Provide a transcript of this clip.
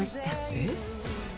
えっ？